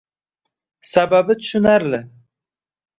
Sababi tushunarli